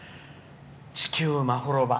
地球まほろば。